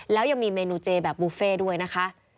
แล้วยังมีเมนูเจแบบบุฟเฟ่ด้วยนะคะ